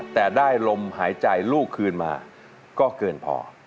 แต่ได้ลมหายใจลูกคืนมาก็เกินพอ